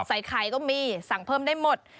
ใส่ไข่ก็มีสั่งเพิ่มได้หมด